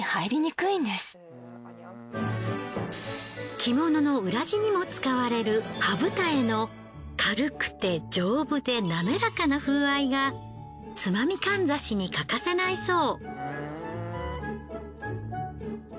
着物の裏地にも使われる羽二重の軽くて丈夫で滑らかな風合いがつまみかんざしに欠かせないそう。